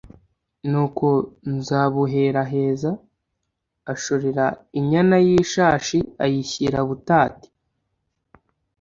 Nuko Nzabuheraheza ashorera inyana y’ishashi, ayishyira butati